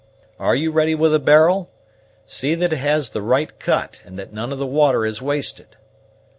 Are you ready with the barrel? See that it has the right cut, and that none of the water is wasted."